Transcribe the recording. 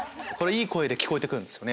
いい声で聞こえて来るんですよ。